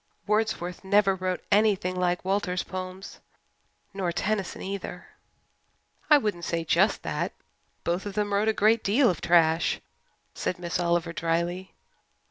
Wordsworth never wrote anything like Walter's poems nor Tennyson, either." "I wouldn't say just that. Both of them wrote a great deal of trash," said Miss Oliver dryly.